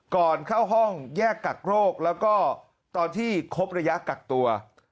ก่อนเข้าห้องแยกกักโรคแล้วก็ตอนที่ครบระยะกักตัว